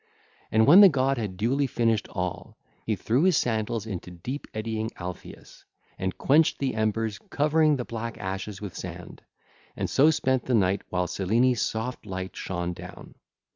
(ll. 138 154) And when the god had duly finished all, he threw his sandals into deep eddying Alpheus, and quenched the embers, covering the black ashes with sand, and so spent the night while Selene's soft light shone down.